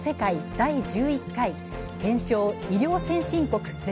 第１１回「検証“医療先進国”